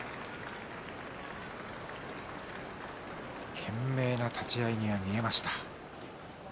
懸命な立ち合いには見えました。